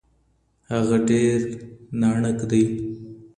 هغه ډېر ناڼک دی .